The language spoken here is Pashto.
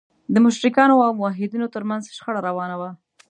د مشرکانو او موحدینو تر منځ شخړه روانه وه.